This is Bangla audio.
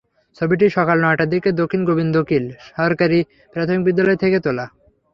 ছবিটি সকাল নয়টার দিকে দক্ষিণ গোবিন্দকিল সরকারি প্রাথমিক বিদ্যালয় থেকে তোলা।